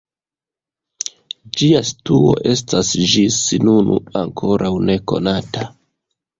Ĝia situo estas ĝis nun ankoraŭ nekonata.